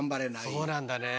そうなんだね。